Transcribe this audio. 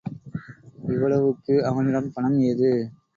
இவ்வளவுக்கு அவனிடம் பணம் ஏது?